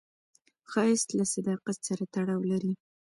ښایست له صداقت سره تړاو لري